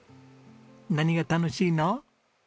何が楽しいの？